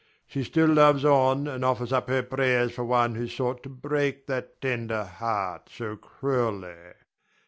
She still loves on, and offers up her prayers for one who sought to break that tender heart so cruelly.